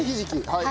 はい。